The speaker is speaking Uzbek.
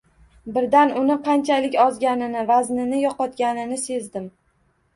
Birdan uni qanchalik ozganini, vaznini yo‘qotganini sezdim